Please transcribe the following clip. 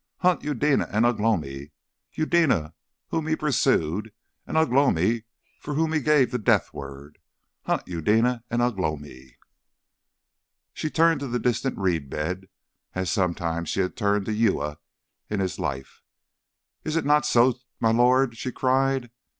Hunt Eudena and Ugh lomi, Eudena whom he pursued, and Ugh lomi for whom he gave the death word! Hunt Eudena and Ugh lomi!" She turned to the distant reed bed, as sometimes she had turned to Uya in his life. "Is it not so, my lord?" she cried.